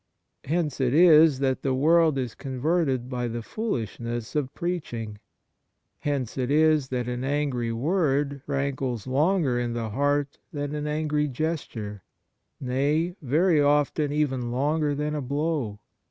Hence it is that the world is converted by the foolishness of preaching. Hence it is that an angry word rankles longer in the heart than an angry gesture — nay, very often even longer than a blow.